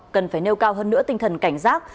cần phải nêu cao hơn nữa tinh thần cảnh giác